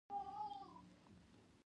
مرسته ورسره وکړه چې یو ښه شخص جوړ شي.